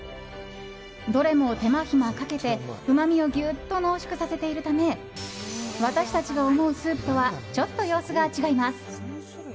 どれも手間ひまかけてうまみをギュッと濃縮させているため私たちが思うスープとはちょっと様子が違います。